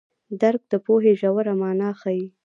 درک د پوهې ژوره مانا ښيي.